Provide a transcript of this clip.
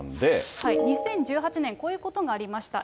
２０１８年、こういうことがありました。